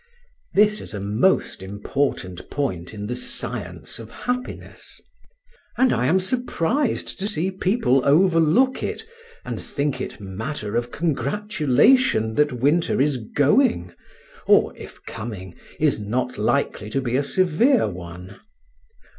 This is a most important point in the science of happiness. And I am surprised to see people overlook it, and think it matter of congratulation that winter is going, or, if coming, is not likely to be a severe one.